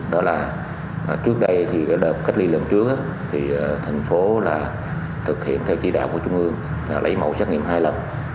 đó là trước đây đợt khách ly lần trước tp hcm thực hiện theo chỉ đạo của trung ương là lấy mẫu xét nghiệm hai lần